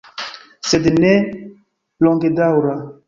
Sed ne longedaŭra!